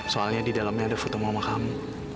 soalnya di dalamnya ada foto mama kamu